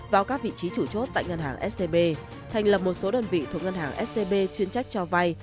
vào các vị trí chủ chốt tại ngân hàng scb thành lập một số đơn vị thuộc ngân hàng scb chuyên trách cho vay